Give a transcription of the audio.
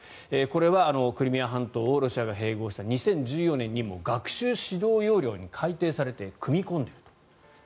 これはクリミア半島をロシアが併合した２０１４年に学習指導要領が改訂されて組み込んでいると。